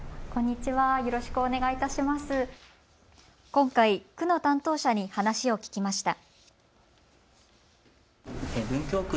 今回、区の担当者に話を聞きました。